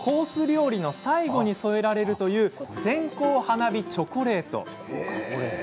料理の最後に添えられるという線香花火チョコレート。